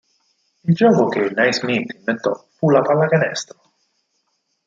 Il gioco che Naismith inventò fu la pallacanestro.